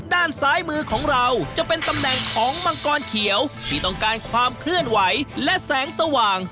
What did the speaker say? ด้านซ้ายมือของเราจะเป็นตำแหน่งของมังกรเขียวที่ต้องการความเคลื่อนไหวและแสงสว่าง